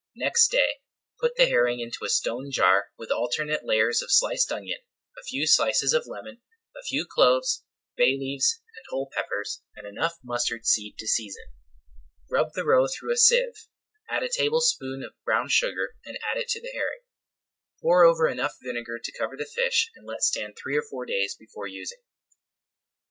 Next day put the herring into a stone jar with alternate layers of sliced onion, a few slices of lemon, a few cloves, bay leaves, and whole peppers, and enough mustard seed to season. Rub the roe through a sieve, add a tablespoonful of brown sugar and add it to the herring. Pour over enough vinegar to cover the fish and let stand three or four days before using.